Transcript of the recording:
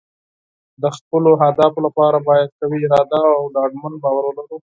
د خپلو اهدافو لپاره باید قوي اراده او ډاډمن باور ولرو.